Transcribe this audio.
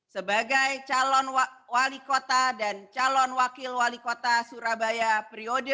sebagai calon wali kota dan calon wakil wali kota surabaya periode dua ribu dua puluh dua ribu dua puluh lima